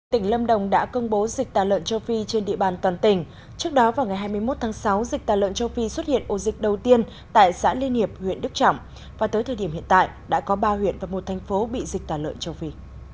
tỉnh lâm đồng đã công bố dịch tà lợn châu phi trên địa bàn toàn tỉnh trước đó vào ngày hai mươi một tháng sáu dịch tà lợn châu phi xuất hiện ô dịch đầu tiên tại xã liên hiệp huyện đức trọng và tới thời điểm hiện tại đã có ba huyện và một thành phố bị dịch tà lợn châu phi